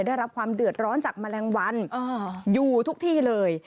ได้รับความเดือดร้อนจากแมลงวันอยู่ทุกที่เลย